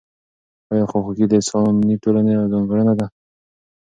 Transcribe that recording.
آیا خواخوږي د انساني ټولنې ځانګړنه ده؟